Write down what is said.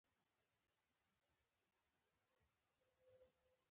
ژوند د يو هدف لپاره وي.